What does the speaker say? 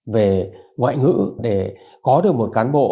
về ngoại ngữ để có được một cán bộ